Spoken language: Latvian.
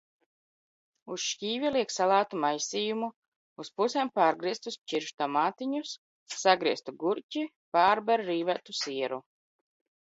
Uz šķīvja liek salātu maisījumu, uz pusēm pārgrieztus ķirštomātiņus, sagrieztu gurķi, pārber rīvētu sieru.